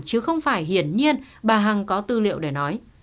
chứ không phải hiển nhiên bà hằng có tư liệu để nói